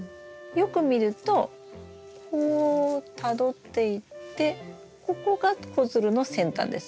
よく見るとこうたどっていってここが子づるの先端です。